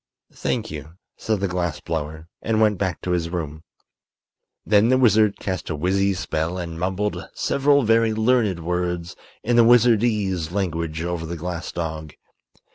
"Thank you," said the glass blower, and went back to his room. Then the wizard cast a wizzy spell and mumbled several very learned words in the wizardese language over the glass dog.